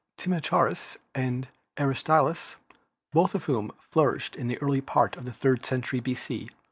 Timocharis and Aristyllus, both of whom flourished in the early part of the third century B.C.